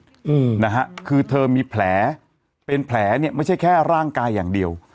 อืมนะฮะคือเธอมีแผลเป็นแผลเนี้ยไม่ใช่แค่ร่างกายอย่างเดียว